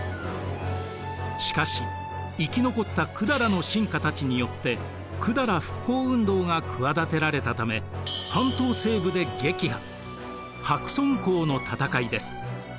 しかし生き残った百済の臣下たちによって百済復興運動が企てられたため半島西部で撃破白村江の戦いです。